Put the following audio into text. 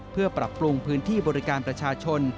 เพื่อปรับปรุงพื้นที่บริการประชาชน